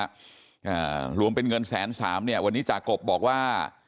อ่ารวมเป็นเงินแสนสามเนี้ยวันนี้จากกบบอกว่า